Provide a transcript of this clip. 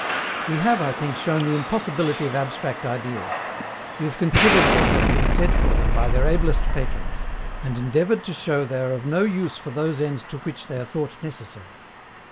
We have, I think, shown the impossibility of ABSTRACT IDEAS. We have considered what has been said for them by their ablest patrons; and endeavored to show they are of no use for those ends to which they are thought necessary.